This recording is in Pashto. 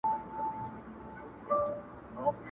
په هرځای کي چي مي کړې آشیانه ده!.